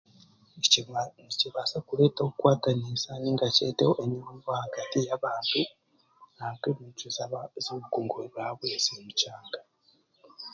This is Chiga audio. Nikibaa nikibaasa kureeta okukwataniisa nainga shi kireetere obumwe ahagati y'abantu ...